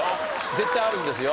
絶対あるんですよ。